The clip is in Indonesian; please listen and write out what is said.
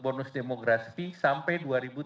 bonus demografi sampai dua ribu tiga puluh delapan